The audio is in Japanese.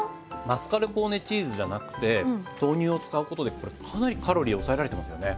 マスカルポーネチーズじゃなくて豆乳を使うことでこれかなりカロリー抑えられてますよね。